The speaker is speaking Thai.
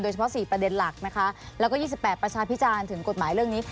เฉพาะ๔ประเด็นหลักนะคะแล้วก็๒๘ประชาพิจารณ์ถึงกฎหมายเรื่องนี้